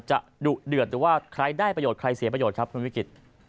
ดุเดือดหรือว่าใครได้ประโยชน์ใครเสียประโยชน์ครับคุณวิกฤต